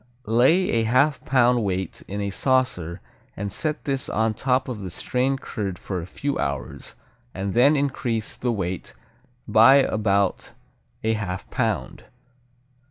Lay a half pound weight in a saucer and set this on top of the strained curd for a few hours, and then increase the weight by about a half pound.